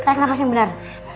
tarik nafas yang benar